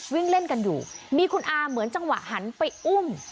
วิ่งเล่นกันอยู่มีคุณอาเหมือนจังหวะหันไปอุ้ม